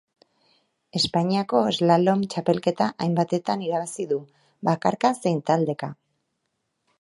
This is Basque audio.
Espainiako slalom txapelketa hainbatetan irabazi du, bakarka zein taldeka.